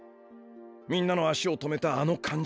みんなの足を止めたあの感じ。